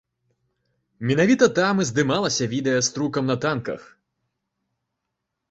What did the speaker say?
Менавіта там і здымалася відэа з трукам на танках.